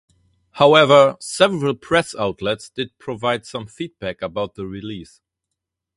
However, several press outlets did provide some feedback about the release.